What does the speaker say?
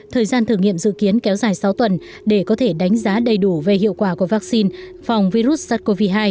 thời gian thử nghiệm dự kiến kéo dài sáu tuần để có thể đánh giá đầy đủ về hiệu quả của vaccine phòng virus sars cov hai